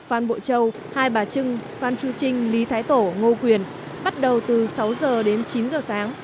phan bộ châu hai bà trưng phan chu trinh lý thái tổ ngô quyền bắt đầu từ sáu h đến chín h sáng